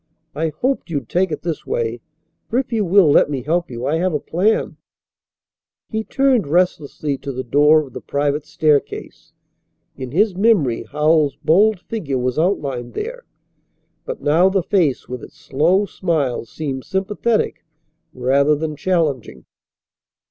"I hoped you'd take it this way, for, if you will let me help, I have a plan." He turned restlessly to the door of the private staircase. In his memory Howells's bold figure was outlined there, but now the face with its slow smile seemed sympathetic rather than challenging.